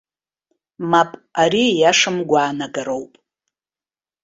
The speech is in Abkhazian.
Мап, ари ииашам гәаанагароуп.